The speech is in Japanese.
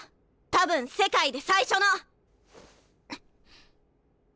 多分世界で最初の！